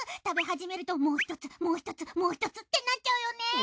食べ始めるともう一つもう一つもう一つってなっちゃうよね！